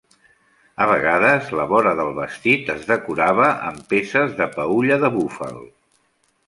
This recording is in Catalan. A vegades, la vora del vestit es decorava amb peces de peülla de búfal.